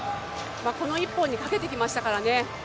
この１本にかけてきましたからね。